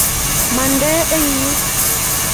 Mande eng yu!